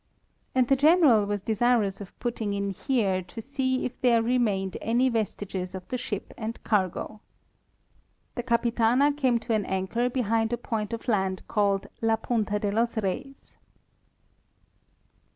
... And the general was desirous of putting in here to see if there remained any vestiges of the ship and cargo. The Capitana came to an anchor behind a point of land called la Punta de los Reys.